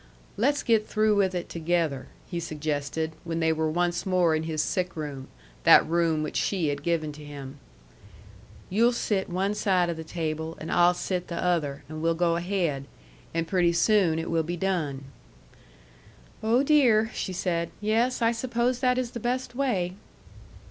"Let's get through with it together," he suggested, when they were once more in his sick room, that room which she had given to him. "You'll sit one side o' the table, and I'll sit the other, and we'll go ahaid; and pretty soon it will be done." "O dear!" she said. "Yes, I suppose that is the best way."